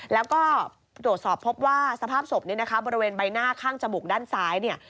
แล้วก็ตรวจสอบพบว่าสภาพศพเนี่ยนะคะบริเวณใบหน้าข้างจมูกด้านซ้ายเนี่ย